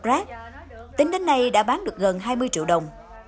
rác tính đến nay đã bán được gần hai mươi triệu đồng